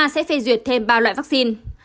sẽ phê duyệt thêm ba loại vaccine